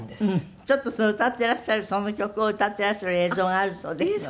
ちょっとそれ歌っていらっしゃるその曲を歌っていらっしゃる映像があるそうですので。